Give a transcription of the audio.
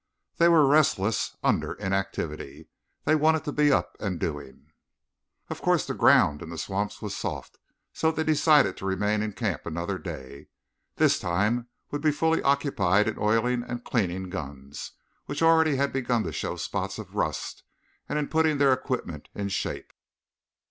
They were restless under inactivity; they wanted to be up and doing. Of course, the ground in the swamp was soft, so they decided to remain in camp another day. This time would be fully occupied in oiling and cleaning guns, which already had begun to show spots of rust, and in putting their equipment in shape.